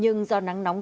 nhưng do nắng nóng